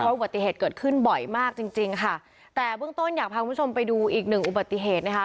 อุบัติเหตุเกิดขึ้นบ่อยมากจริงจริงค่ะแต่เบื้องต้นอยากพาคุณผู้ชมไปดูอีกหนึ่งอุบัติเหตุนะคะ